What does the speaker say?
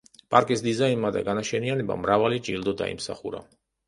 პარკის დიზაინმა და განაშენიანებამ მრავალი ჯილდო დაიმსახურა.